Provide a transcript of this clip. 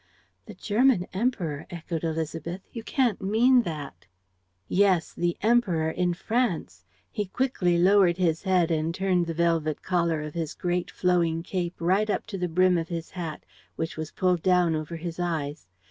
"The German Emperor?" echoed Élisabeth. "You can't mean that!" "Yes, the Emperor in France! He quickly lowered his head and turned the velvet collar of his great, flowing cape right up to the brim of his hat, which was pulled down over his eyes.